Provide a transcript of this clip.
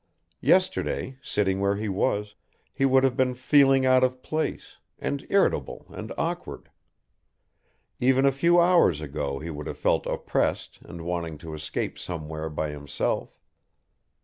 Yesterday, sitting where he was, he would have been feeling out of place, and irritable and awkward. Even a few hours ago he would have felt oppressed and wanting to escape somewhere by himself.